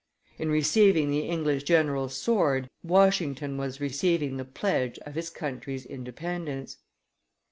In receiving the English general's sword, Washington was receiving the pledge of his country's independence.